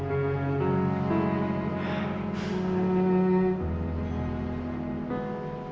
biasanya kamu selalu ada di sini mas